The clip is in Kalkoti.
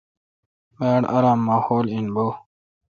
باڑ آرام ماحول این بو۔